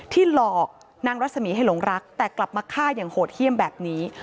หลอกนางรัศมีร์ให้หลงรักแต่กลับมาฆ่าอย่างโหดเยี่ยมแบบนี้